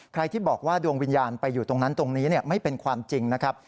ใครที่บอกว่าดวงวิญญาณไปอยู่ตรงนั้นตรงนี้ไม่เป็นความจริงนะครับ